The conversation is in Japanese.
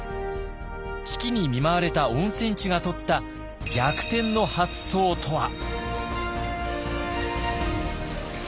危機に見舞われた温泉地がとった逆転の発想とは？